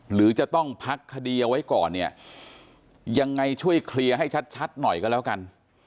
หรือจะต้องพักคดีเอาไว้ก่อนเนี่ยยังไงช่วยเคลียร์ให้ชัดหน่อยก็แล้วกัน